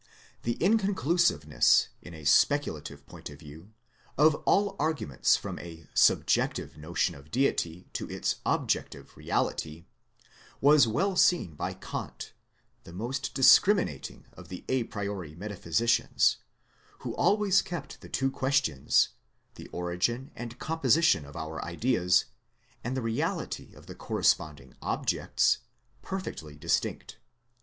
The inconclusiveness, in a speculative point of view, of all arguments from the subjective notion of Deity to its objective reality, was well seen by Kant, the most discriminating of the a priori metaphysicians, who always kept the two questions, the origin and composition of our ideas, and the reality of the corresponding objects, perfectly dis tinct.